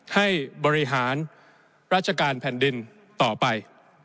ให้บริหารราชการแผ่นดินต่อไป